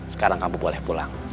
sekarang kamu boleh pulang